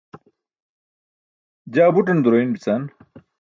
jaa buṭan duroin bican